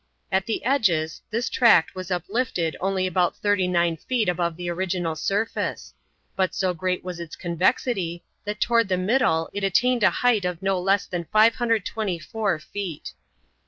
At the edges this tract was uplifted only about 39 feet above the original surface, but so great was its convexity that toward the middle it attained a height of no less than 524 feet.